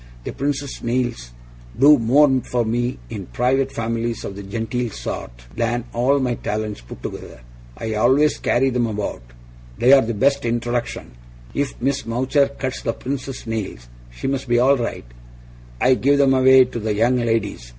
The Prince's nails do more for me in private families of the genteel sort, than all my talents put together. I always carry 'em about. They're the best introduction. If Miss Mowcher cuts the Prince's nails, she must be all right. I give 'em away to the young ladies.